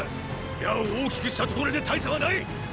矢を大きくしたところで大差はない！